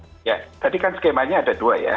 berarti kan skemanya ada dua ya